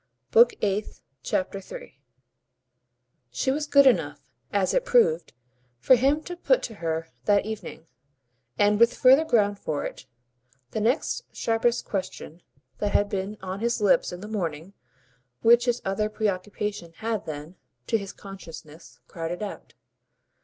Book Eighth, Chapter 3 She was good enough, as it proved, for him to put to her that evening, and with further ground for it, the next sharpest question that had been on his lips in the morning which his other preoccupation had then, to his consciousness, crowded out.